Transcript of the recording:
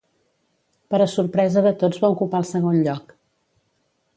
Per a sorpresa de tots va ocupar el segon lloc.